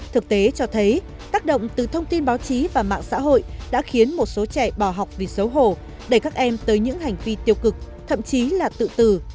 thực tế cho thấy tác động từ thông tin báo chí và mạng xã hội đã khiến một số trẻ bỏ học vì xấu hổ đẩy các em tới những hành vi tiêu cực thậm chí là tự tử